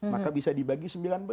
maka bisa dibagi sembilan belas